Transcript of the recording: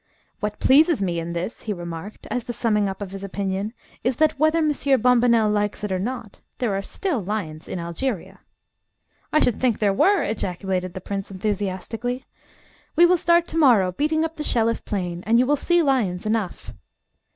"What pleases me in this," he remarked, as the summing up of his opinion, "is that, whether Monsieur Bombonnel likes it or not, there are still lions in Algeria." "I should think there were!" ejaculated the prince enthusiastically. "We will start to morrow beating up the Shelliff Plain, and you will see lions enough!"